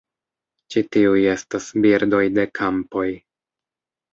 Ĉi tiuj estas birdoj de kampoj.